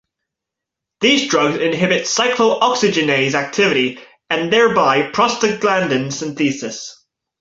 These drugs inhibit cyclo-oxygenase activity and thereby prostaglandin synthesis.